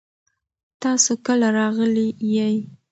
تاسو کله راغلي یئ؟